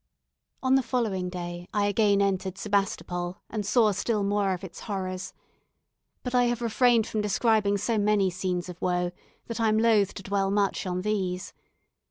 On the following day I again entered Sebastopol, and saw still more of its horrors. But I have refrained from describing so many scenes of woe, that I am loth to dwell much on these.